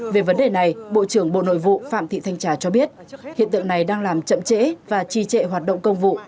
về vấn đề này bộ trưởng bộ nội vụ phạm thị thanh trà cho biết hiện tượng này đang làm chậm trễ và trì trệ hoạt động công vụ